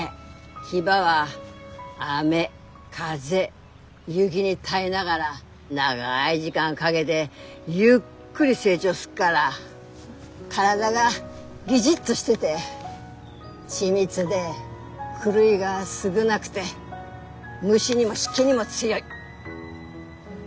ヒバは雨風雪に耐えながら長い時間かげでゆっくり成長すっから体がギチッとしてて緻密で狂いが少なくて虫にも湿気にも強い。